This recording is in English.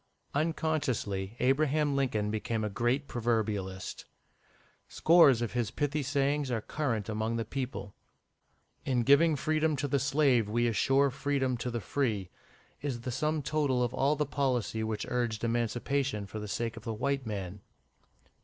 Unconsciously, Abraham Lincoln became a great proverbialist. Scores of his pithy sayings are current among the people. "In giving freedom to the slave, we assure freedom to the free," is the sum total of all the policy which urged Emancipation for the sake of the white man.